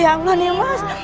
ya allah nih mas